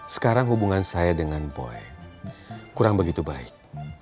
sekarang hubungan saya dengan boy kurang begitu baik